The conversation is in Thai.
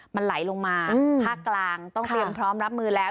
มันไหลลงมาภาคกลางต้องเตรียมพร้อมรับมือแล้ว